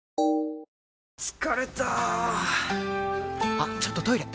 あっちょっとトイレ！